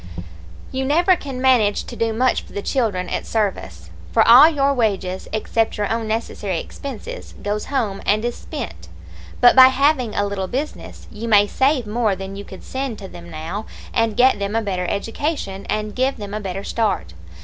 "'You never can manage to do much for the children at service, for all your wages, except your own necessary expenses, goes home and is spent; but by having a little business, you may save more than you could send to them now, and get them a better education, and give them a better start.